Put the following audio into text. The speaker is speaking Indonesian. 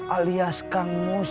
alias kang mus